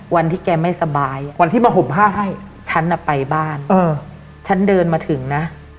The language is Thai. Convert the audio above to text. วันที่แกไม่สบายวันที่มาห่มผ้าให้ฉันน่ะไปบ้านฉันเดินมาถึงนะ